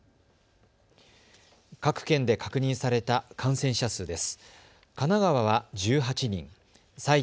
各県で確認された感染者数です。